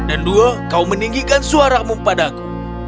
dan dua kau meninggikan suaramu padaku